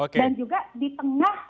dan juga di tengah